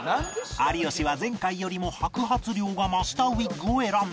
有吉は前回よりも白髪量が増したウィッグを選んだ